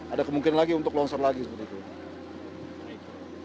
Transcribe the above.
ada kemungkinan lagi untuk longsor lagi seperti itu